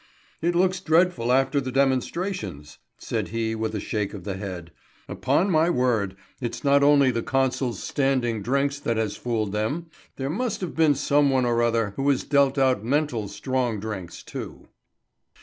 "It looks dreadful after the demonstrators," said he with a shake of the head. "Upon my word, it's not only the consul's standing drinks that has fooled them; there must have been some one or other who has dealt out mental strong drinks too."